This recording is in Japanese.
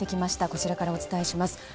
こちらからお伝えします。